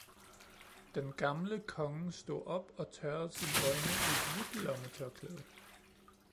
Den gamle konge stod op og tørrede sine øjne i et hvidt lommetørklæde.